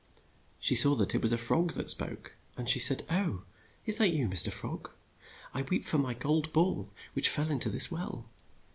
She saw that it was a frog that spoke, and she said, "Oh, is that you, Mr. Frog? I weep for my gold ball, which fell in to this well."